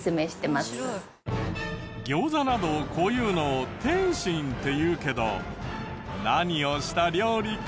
餃子などこういうのを点心っていうけど何をした料理か